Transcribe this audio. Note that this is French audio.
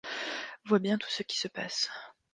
Vois bien tout ce qui se passe.